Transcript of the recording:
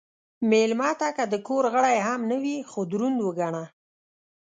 مېلمه ته که د کور غړی هم نه وي، خو دروند وګڼه.